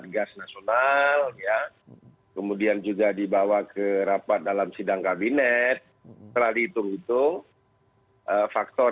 gas nasional ya kemudian juga dibawa ke rapat dalam sidang kabinet setelah dihitung hitung faktor